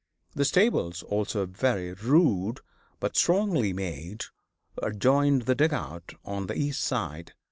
The stables, also very rude but strongly made, adjoined the "dugout" on the east side.